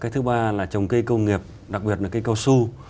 thứ ba là trồng cây công nghiệp đặc biệt là cây cao su